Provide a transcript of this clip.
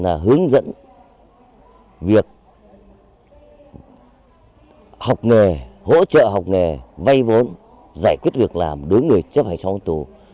là hướng dẫn việc học nghề hỗ trợ học nghề vay vốn giải quyết việc làm đối với người chấp hành xong án tù